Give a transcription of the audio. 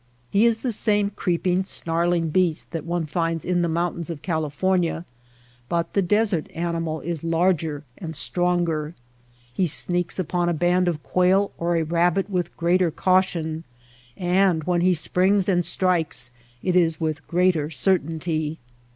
He is the same creeping, snarling beast that one finds in the mountains of California, but the desert animal is larger and stronger. He sneaks upon a band of quail or a rabbit with greater caution, and when he springs and strikes it is with greater certainty.